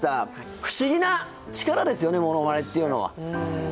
不思議な力ですよねモノマネっていうのは。